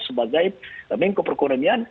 sebagai mingkuk perkeunungan